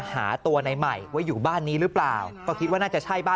หาตัวในใหม่ว่าอยู่บ้านนี้หรือเปล่าก็คิดว่าน่าจะใช่บ้าน